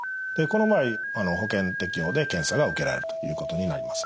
でこの場合保険適用で検査が受けられるということになります。